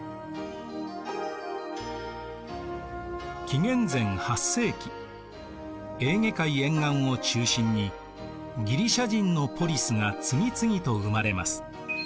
紀元前８世紀エーゲ海沿岸を中心にギリシア人のポリスが次々と生まれます。